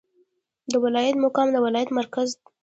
د ولایت مقام د ولایت مرکز دی